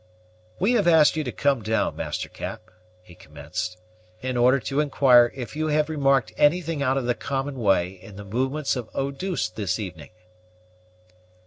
"We have asked you to come down, Master Cap," he commenced, "in order to inquire if you have remarked anything out of the common way in the movements of Eau douce this evening."